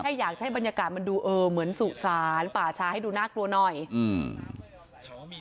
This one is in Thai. อยากให้บรรยากาศมันดูเออเหมือนสุสานป่าชาให้ดูน่ากลัวหน่อยอืม